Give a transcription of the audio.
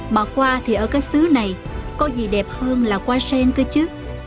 mà qua thì ở cái xứ này có gì đẹp hơn là qua sen cơ chứ